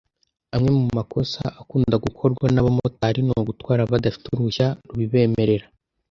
Amwe mu makosa akunda gukorwa n’abamotari n’ugutwara badafite uruhushya rubibemerera